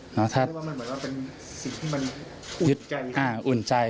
หมายถึงว่ามันเหมือนว่าเป็นสิ่งที่มันอุ่นใจ